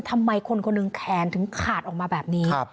ทำไมคนคนหนึ่งแขนถึงขาดออกมาแบบนี้